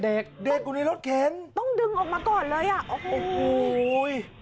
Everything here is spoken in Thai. เด็กเด็กอยู่ในรถเข็นต้องดึงออกมาก่อนเลยอ่ะโอ้โห